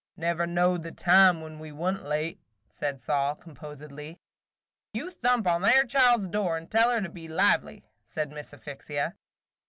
"Never knowed the time when we wa' n't late," said Sol, composedly. "You thump on that 'ere child's door, and tell her to be lively," said Miss Asphyxia.